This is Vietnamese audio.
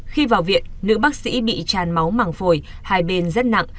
khi vào viện nữ bác sĩ bị tràn máu màng phổi hai bên rất nặng